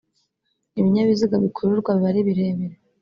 ibinyabiziga bikururwa biba ari birebire